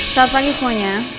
selamat pagi semuanya